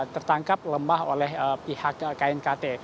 tertangkap lemah oleh pesawat